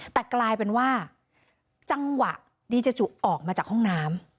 แต่กลายเป็นว่าจังหวะดีเจจุออกมาจากห้องน้ำ